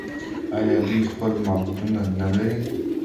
آیا دوی خپل معبدونه نلري؟